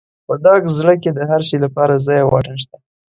په ډک زړه کې د هر شي لپاره ځای او واټن شته.